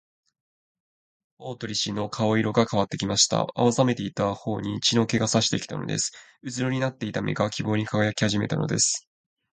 大鳥氏の顔色がかわってきました。青ざめていたほおに血の気がさしてきたのです。うつろになっていた目が、希望にかがやきはじめたのです。